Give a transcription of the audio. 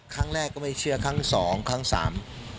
ครั้งแรกก็ไม่เชื่อครั้งสองครั้งสาม